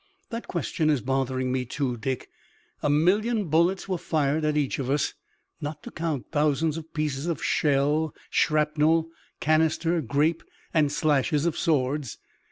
"That question is bothering me, too, Dick. A million bullets were fired at each of us, not to count thousands of pieces of shell, shrapnel, canister, grape, and slashes of swords.